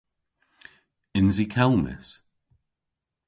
Yns i kelmys?